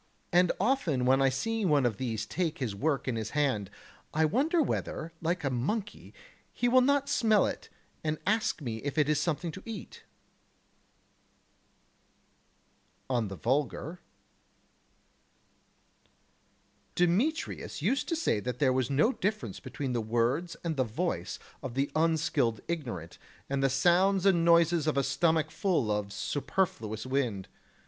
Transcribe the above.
And often when I see one of these take this work in his hand, I wonder whether, like a monkey, he will not smell it and ask me if it is something to eat. [Sidenote: On the Vulgar] 11. Demetrius used to say that there was no difference between the words and the voice of the unskilled ignorant and the sounds and noises of a stomach full of superfluous wind.